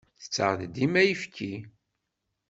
Tettaɣ-d dima ayefki.